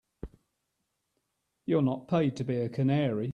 You're not paid to be a canary.